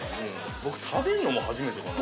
僕、食べるのも初めてかな。